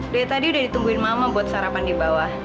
dari tadi udah ditungguin mama buat sarapan di bawah